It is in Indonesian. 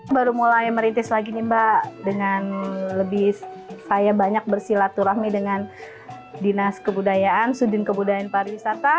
baru mulai merintis lagi nih mbak dengan lebih saya banyak bersilaturahmi dengan dinas kebudayaan sudin kebudayaan pariwisata